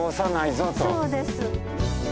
そうです。